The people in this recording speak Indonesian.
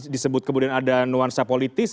disebut kemudian ada nuansa politis